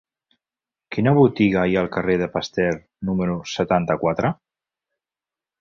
Quina botiga hi ha al carrer de Pasteur número setanta-quatre?